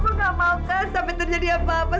kamu nggak mau kan sampai terjadi apa apa